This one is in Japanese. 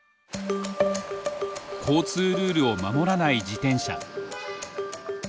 交通ルールを守らない自転車。